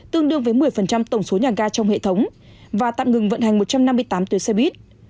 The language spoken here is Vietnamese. tương đương với một mươi tổng số nhà ga trong hệ thống và tạm ngừng vận hành một trăm năm mươi tám tuyến xe buýt